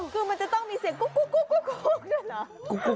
คือมันจะต้องมีเสียงกุ๊กด้วยเหรอ